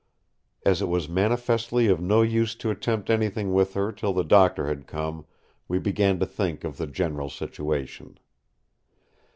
As it was manifestly of no use to attempt anything with her till the doctor had come, we began to think of the general situation.